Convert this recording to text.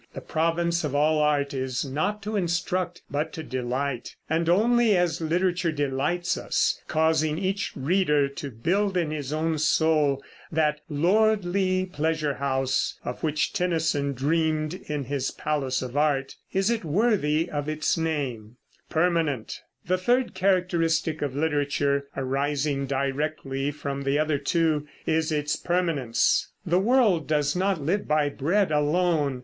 The province of all art is not to instruct but to delight; and only as literature delights us, causing each reader to build in his own soul that "lordly pleasure house" of which Tennyson dreamed in his "Palace of Art," is it worthy of its name. The third characteristic of literature, arising directly from the other two, is its permanence. The world does not live by bread alone.